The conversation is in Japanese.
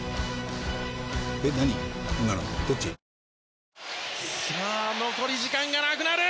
疱疹さあ残り時間がなくなる！